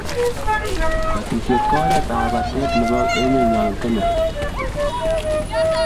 batishet ko oret ab batet nebo emenyo Kenya